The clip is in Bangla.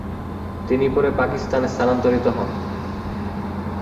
তিনি পরে পাকিস্তানে স্থানান্তরিত হন।